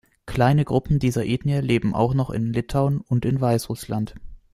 Kleine Gruppen dieser Ethnie leben auch noch in Litauen und in Weißrussland.